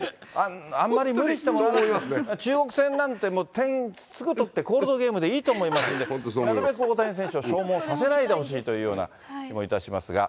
あんまり無理してもらわなくても、中国戦なんてもう点すぐ取って、コールドゲームでいいと思いますんで、なるべく大谷選手を消耗させないでほしいという気もいたしますが。